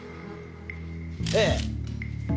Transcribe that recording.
ええ。